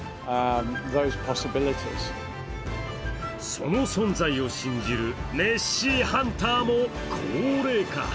その存在を信じるネッシー・ハンターも高齢化。